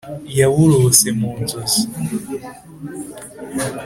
yaburose mu nzozi